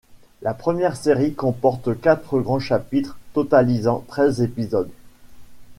La première série comporte quatre grands chapitres totalisant treize épisodes.